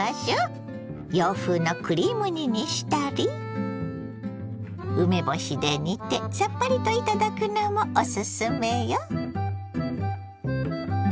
洋風のクリーム煮にしたり梅干しで煮てさっぱりと頂くのもオススメよ。